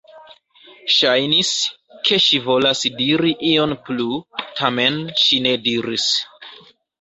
Ŝajnis, ke ŝi volas diri ion plu, tamen ŝi ne diris.